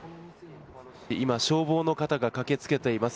今、消防の方が駆け付けています。